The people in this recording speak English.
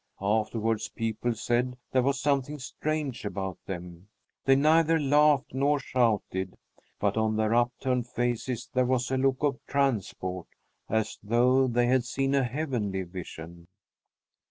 Afterwards people said there was something strange about them. They neither laughed nor shouted, but on their upturned faces there was a look of transport as though they had seen a heavenly vision.